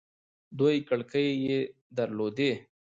دوې کړکۍ يې در لودې.